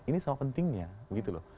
ini sama pentingnya begitu loh